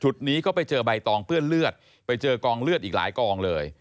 นี้ก็ไปเจอใบตองเปื้อนเลือดไปเจอกองเลือดอีกหลายกองเลย